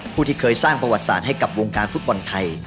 ผู้ที่เคยสร้างประวัติศาสตร์ให้กับวงการฟุตบอลไทย